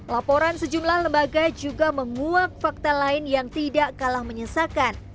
laporan sejumlah lembaga juga menguak fakta lain yang tidak kalah menyesakan